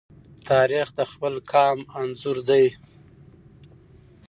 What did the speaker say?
تاریخ د خپل قام انځور دی.